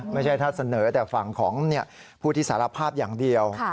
ไม่ใช่ถ้าเสนอแต่ฝั่งของผู้ที่สารภาพอย่างเดียว